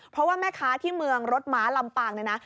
เพราะว่าแม่ค้าที่เมืองรถม้าลำปางเนี่ยนะ